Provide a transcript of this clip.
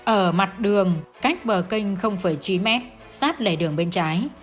ở mặt đường cách bờ kênh chín mét sát lề đường bên trái